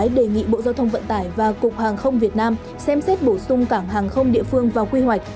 đề nghị bộ giao thông vận tải và cục hàng không việt nam xem xét bổ sung cảng hàng không địa phương vào quy hoạch